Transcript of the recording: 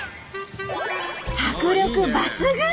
迫力抜群！